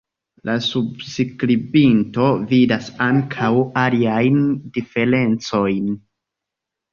La subskribinto vidas ankaŭ aliajn diferencojn.